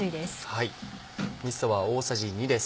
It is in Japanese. はい。